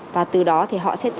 và từ đó thì họ sẽ hoàn toàn xử